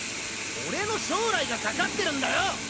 俺の将来がかかってるんだよ！